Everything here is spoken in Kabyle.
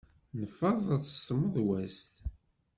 Nferreḍ s tmedwazt.